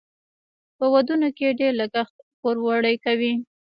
په ودونو کې ډیر لګښت پوروړي کوي.